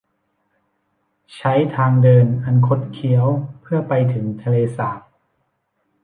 ใช้ทางเดินอันคดเคี้ยวเพื่อ ไปถึงทะเลสาบ